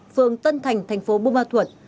phường tân thành thành phố buôn ma thuật